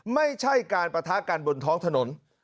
ไม่ใช่การปะทะกันบนท้องถนน